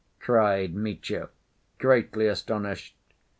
cried Mitya, greatly astonished.